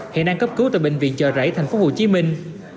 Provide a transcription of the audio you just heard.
hiện đang cấp cứu tại bệnh viện chợ rẫy thành phố hồ chí minh